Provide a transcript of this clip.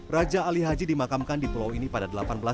raja ali haji dimakamkan di pulau ini pada seribu delapan ratus tujuh puluh